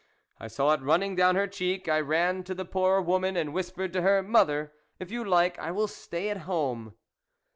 I saw it running down her cheek. I ran to the poor woman, and whispered to her, " Mother, if you like, I will stay at home."